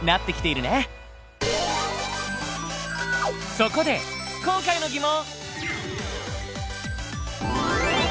そこで今回の疑問！